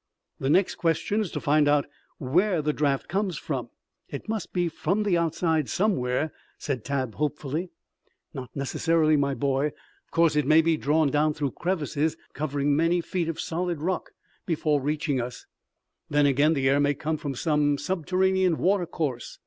"The next question is to find out where the draft comes from. It must be from the outside somewhere," said Tad hopefully. "Not necessarily, my boy. Of course it may be drawn down through crevices covering many feet of solid rock before reaching us. Then again, the air may come from some subterranean water course.